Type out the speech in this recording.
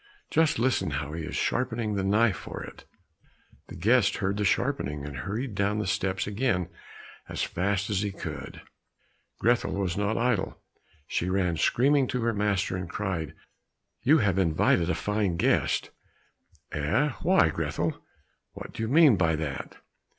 Just listen how he is sharpening the knife for it!" The guest heard the sharpening, and hurried down the steps again as fast as he could. Grethel was not idle; she ran screaming to her master, and cried, "You have invited a fine guest!" "Eh, why, Grethel? What do you mean by that?"